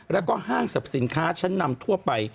แล้วก็ห้างสรรพสินค้าชั้นนำทั่วไป